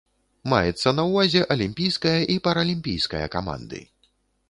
Маецца на ўвазе алімпійская і паралімпійская каманды.